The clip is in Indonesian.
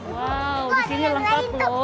wow disini lengkap loh